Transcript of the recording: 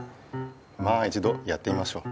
まあ一度やってみましょう。